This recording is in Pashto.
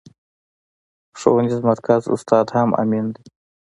ښوونيز مرکز استاد هم امين دی.